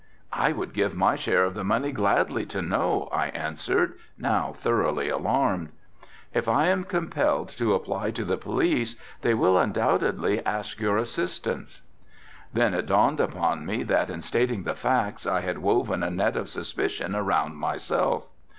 "I would give my share of the money gladly to know," I answered, now thoroughly alarmed. "If I am compelled to apply to the police they will undoubtedly ask your assistance." Then it dawned upon me that in stating the facts I had woven a net of suspicion around myself.